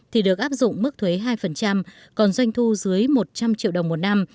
thì được áp dụng mức thuế hai còn doanh thu dưới một trăm linh triệu đồng một năm